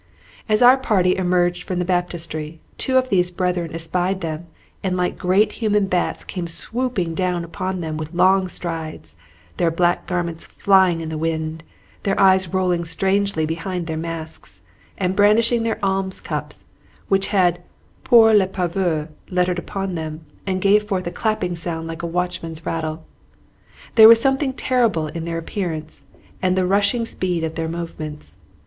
As our party emerged from the Baptistery, two of these Brethren espied them, and like great human bats came swooping down upon them with long strides, their black garments flying in the wind, their eyes rolling strangely behind their masks, and brandishing their alms cups, which had "Pour les Pauvres" lettered upon them, and gave forth a clapping sound like a watchman's rattle. There was something terrible in their appearance and the rushing speed of their movements.